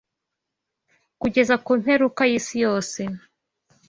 kugeza ku mperuka y’isi yose